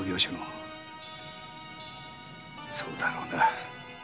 そうだろうな。